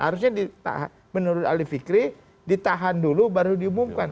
harusnya menurut ali fikri ditahan dulu baru diumumkan